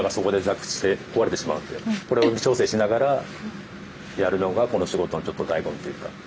これを微調整しながらやるのがこの仕事のちょっと醍醐味というか。